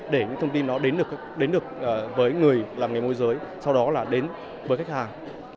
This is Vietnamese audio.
để những thông tin đó đến được với người làm nghềmua giới sau đó là đến với khách hàng